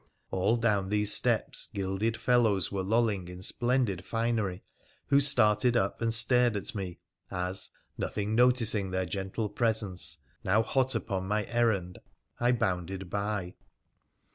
All down these steps gilded fellows were lolling in splendid finery, who started up and stared at me, as, nothing noticing their gentle presence, now hot upon my errand, I bounded by.